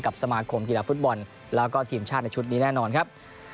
สมาคมกีฬาฟุตบอลแล้วก็ทีมชาติในชุดนี้แน่นอนครับ